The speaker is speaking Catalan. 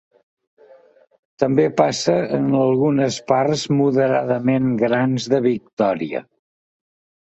També passa en algunes parts moderadament grans de Victòria.